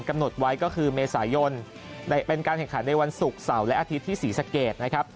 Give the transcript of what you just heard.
กำหนดไว้ก็คือเมษายนเป็นการแข่งขันในวันศุกร์เสาร์และอาทิตย์ที่ศรีสะเกดนะครับ